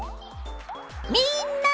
みんな！